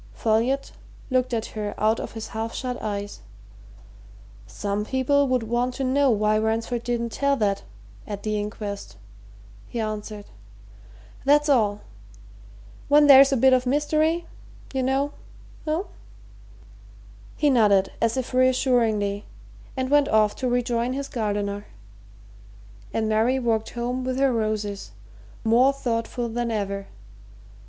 Folliot looked at her out of his half shut eyes. "Some people would want to know why Ransford didn't tell that at the inquest," he answered. "That's all. When there's a bit of mystery, you know eh?" He nodded as if reassuringly and went off to rejoin his gardener, and Mary walked home with her roses, more thoughtful than ever.